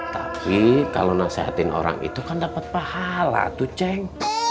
tapi kalau nasehatin orang itu kan dapat pahala tuh ceng